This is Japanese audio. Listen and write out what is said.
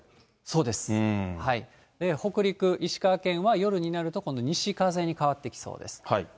北陸、石川県は夜になると今度、西風に変わってきそうです。